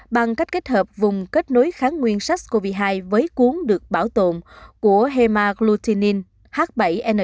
bằng cách kết hợp vùng kết nối kháng nguyên sars cov hai với cuốn được bảo tồn của hemagglutinin h bảy n chín